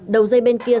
đầu dây bên kia xe